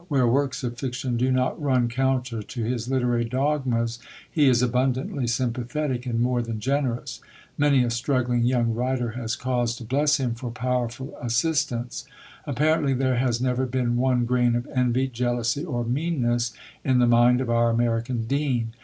Where works of fiction do not run counter to his literary dogmas, he is abundantly sympathetic and more than generous; many a struggling young writer has cause to bless him for powerful assistance; apparently there has never been one grain of envy, jealousy, or meanness in the mind of our American dean.